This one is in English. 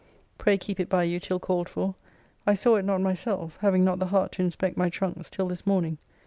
Pray keep it by you till called for. I saw it not myself (having not the heart to inspect my trunks) till this morning.